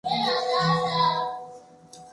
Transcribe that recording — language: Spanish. Le dan el nombre en clave de Ms.